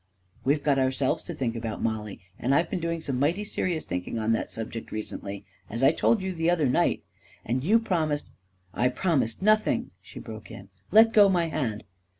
We've got ourselves to think about, Mollie, and I have been doing some mighty serious thinking on that subject recently, as I told you the other night. And you promised ..."" I promised nothing! " she broke in. " Let go my hand